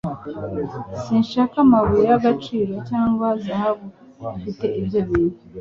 Sinshaka amabuye y'agaciro cyangwa zahabu. Mfite ibyo bintu.